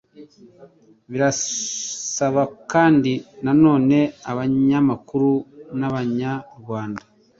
Birasaba kandi nanone abanyamakuru n'Abanyarwanda